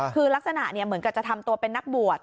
คือลักษณะเหมือนกับจะทำตัวเป็นนักบวช